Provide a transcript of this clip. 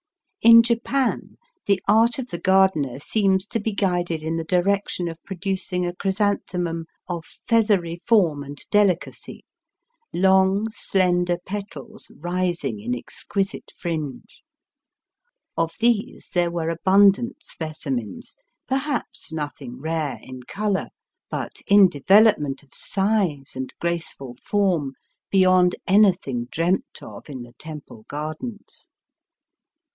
In Japan the art of the gardener seems to be guided in tli^e direction of producing a chrysanthemum of feathery form and delicacy, long slender petals rising in exquisite fringe Of these there were abundant specimens, perhaps nothing rare in colour, hut in development of size and grace ful form beyond anything dreamt of in the Temple Gardens.